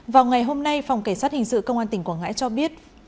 vào ngày hôm nay phòng cảnh sát hình sự công an tỉnh quảng ngãi cho biết